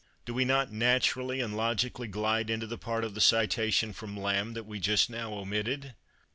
Do we not naturally and logically glide into the part of the citation from Lamb that we just now omitted?